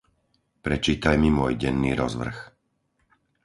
Prečítaj mi môj denný rozvrh.